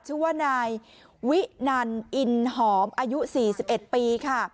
ชื่อว่านายวินันอินหอมอายุ๔๑ปีค่ะ